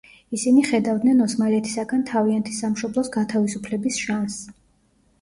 ისინი ხედავდნენ ოსმალეთისაგან თავიანთი სამშობლოს გათავისუფლების შანსს.